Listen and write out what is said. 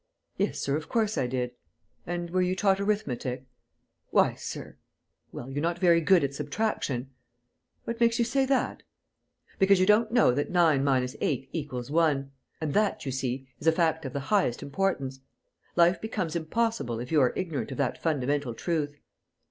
"Yes, sir, of course I did." "And were you taught arithmetic?" "Why, sir...." "Well, you're not very good at subtraction." "What makes you say that?" "Because you don't know that nine minus eight equals one. And that, you see, is a fact of the highest importance. Life becomes impossible if you are ignorant of that fundamental truth."